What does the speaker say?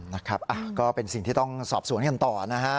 นะครับก็เป็นสิ่งที่ต้องสอบสวนกันต่อนะฮะ